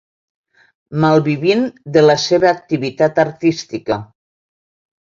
Malvivint de la seva activitat artística.